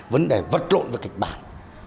vấn đề vật lộn về kịch bản